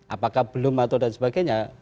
apakah belum atau dan sebagainya